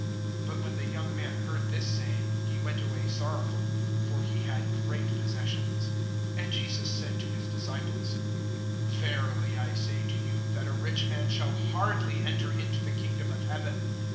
(22)But when the young man heard this saying, he went away sorrowful; for he had great possessions. (23)And Jesus said to his disciples: Verily I say to you, that a rich man shall hardly enter into the kingdom of heaven.